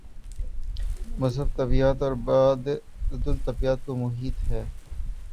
مذہب طبیعیات اور مابعدالطبیعیات کو محیط ہے۔